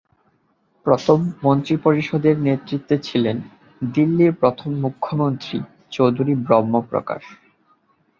প্রথম মন্ত্রিপরিষদের নেতৃত্বে ছিলেন দিল্লির প্রথম মুখ্যমন্ত্রী চৌধুরী ব্রহ্ম প্রকাশ।